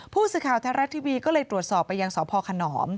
ผู้สื่อข่าวไทยรัฐทีวีก็เลยตรวจสอบไปยังสพขนอม